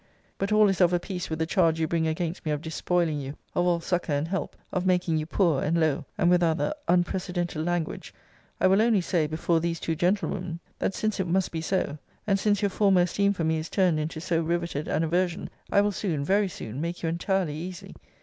But all is of a piece with the charge you bring against me of despoiling you of all succour and help, of making you poor and low, and with other unprecedented language. I will only say, before these two gentlewomen, that since it must be so, and since your former esteem for me is turned into so riveted an aversion, I will soon, very soon, make you entirely easy.